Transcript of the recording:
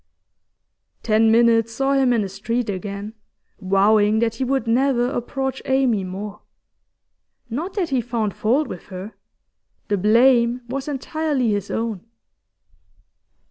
Ten minutes saw him in the street again, vowing that he would never approach Amy more. Not that he found fault with her; the blame was entirely his own.